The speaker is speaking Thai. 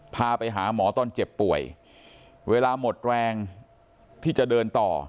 พาไปหาหมอตอนเจ็บป่วยเวลาหมดแรงที่จะเดินต่อ